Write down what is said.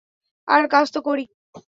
আর, কাজ তো করি।